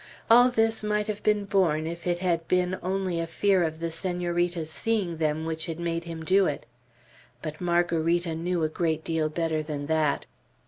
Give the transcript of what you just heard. All this might have been borne, if it had been only a fear of the Senorita's seeing them, which had made him do it. But Margarita knew a great deal better than that.